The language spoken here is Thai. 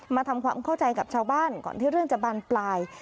มาทำความเข้าใจกับชาวบ้านก่อนที่เรื่องจะบานปลาย